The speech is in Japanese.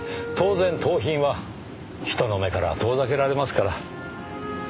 当然盗品は人の目から遠ざけられますから。